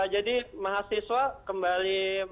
jadi mahasiswa kembali